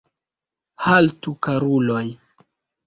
Haltu, karuloj!